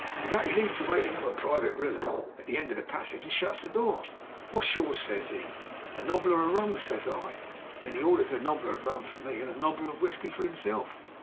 With that he leads the way into a private room at the end of the passage and shuts the door. 'What's yours?' says he. 'A nobbler o' rum,' says I. Then he orders a nobbler of rum for me and a nobbler of whisky for 'imself.